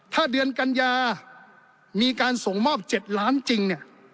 ถ้าเดือนกัญญามีการส่งมอบ๗ล้านจริงเนี่ย